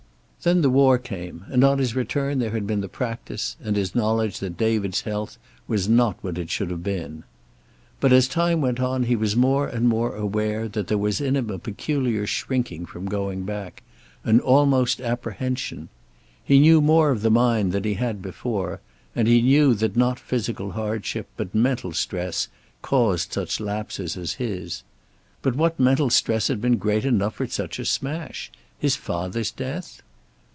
Then the war came, and on his return there had been the practice, and his knowledge that David's health was not what it should have been. But as time went on he was more and more aware that there was in him a peculiar shrinking from going back, an almost apprehension. He knew more of the mind than he had before, and he knew that not physical hardship, but mental stress, caused such lapses as his. But what mental stress had been great enough for such a smash? His father's death?